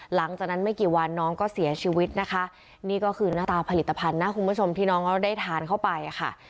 หลังจากนั้นไม่กี่วันน้องก็เสียชีวิตนะคะนี่ก็คือหน้าตาผลิตภัณฑ์นะคุณผู้ชมที่น้องเขาได้ทานเข้าไปค่ะ